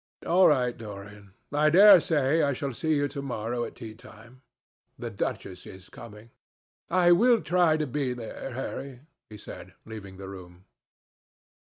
"All right, Dorian. I dare say I shall see you to morrow at tea time. The duchess is coming." "I will try to be there, Harry," he said, leaving the room.